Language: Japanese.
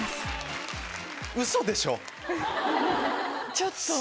ちょっと！